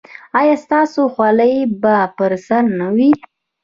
ایا ستاسو خولۍ به پر سر نه وي؟